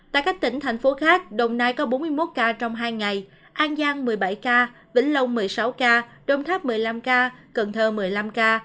tại các tỉnh thành phố khác đồng nai có bốn mươi một ca trong hai ngày an giang một mươi bảy ca vĩnh long một mươi sáu ca đồng tháp một mươi năm ca cần thơ một mươi năm ca